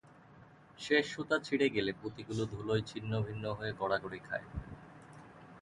শেষ সুতা ছিঁড়ে গেলে পুঁতিগুলো ধুলোয় ছিন্ন ভিন্ন হয়ে গড়াগড়ি খায়।